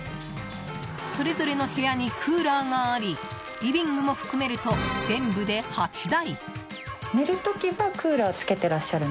それぞれの部屋にクーラーがありリビングも含めると全部で８台。